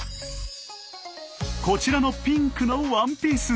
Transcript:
こちらのピンクのワンピース。